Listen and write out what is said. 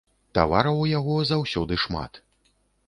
Тавараў у яго заўсёды шмат.